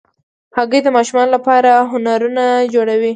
هګۍ د ماشومانو لپاره هنرونه جوړوي.